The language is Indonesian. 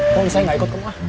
kok bisa nggak ikut rumah